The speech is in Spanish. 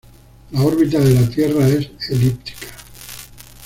La órbita de la Tierra es elíptica.